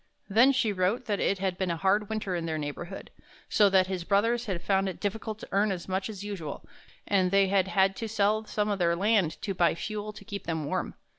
Then she wrote that it had been a hard winter in their neighborhood, so that his brothers had found it difficult to earn as much as usual, and they had had to sell some of their land to buy fuel to keep them warm.